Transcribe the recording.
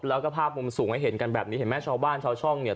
แล้วก็ภาพมุมสูงให้เห็นกันแบบนี้เห็นไหมชาวบ้านชาวช่องเนี่ย